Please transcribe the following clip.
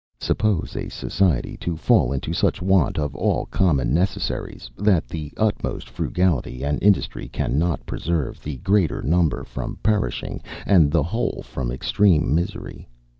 Suppose a society to fall into such want of all common necessaries, that the utmost frugality and industry cannot preserve the greater number from perishing, and the whole from extreme misery.